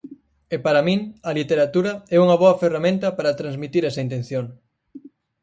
E para min, a literatura é unha boa ferramenta para transmitir esa intención.